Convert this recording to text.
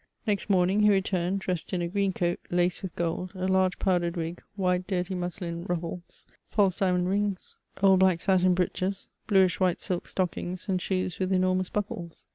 Next morning he returned, dressed in a green coat, laced with gold, a large powdered wig, wide, dirty muslin ruffles, false diamond rings, old black satin breeches, bluish white silk stockings, and shoes with enormous buckles.